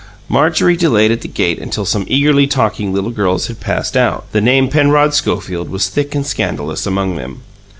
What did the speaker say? Marjorie delayed at the gate until some eagerly talking little girls had passed out. The name "Penrod Schofield" was thick and scandalous among them.